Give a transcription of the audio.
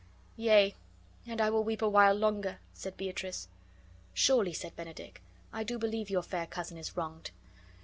"Yea, and I will weep awhile longer," said Beatrice. "Surely," said. Benedick, "I do believe your fair cousin is wronged."